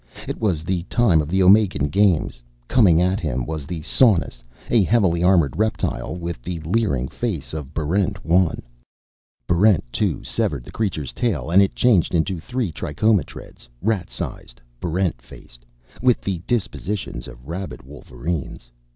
It was the time of the Omegan Games. Coming at him was the Saunus, a heavily armored reptile with the leering face of Barrent 1. Barrent 2 severed the creature's tail, and it changed into three trichomotreds, rat sized, Barrent faced, with the dispositions of rabid wolverines.